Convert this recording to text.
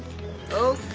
ＯＫ。